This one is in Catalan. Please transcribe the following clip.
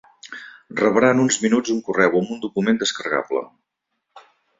Rebrà en uns minuts un correu amb un document descarregable.